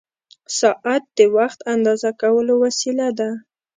ساعت د وخت اندازه کولو وسیله ده.